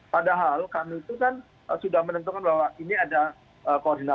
padahal kami itu kan sudah menentukan bahwa ini ada koordinasi